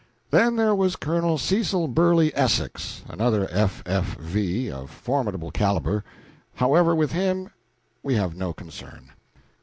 Then there was Colonel Cecil Burleigh Essex, another F. F. V. of formidable caliber however, with him we have no concern.